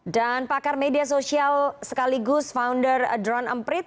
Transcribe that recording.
dan pakar media sosial sekaligus founder adron amprit